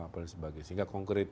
apa dan sebagainya sehingga konkret